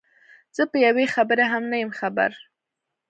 زه په یوې خبرې هم نه یم خبر.